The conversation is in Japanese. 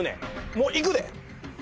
もういくで。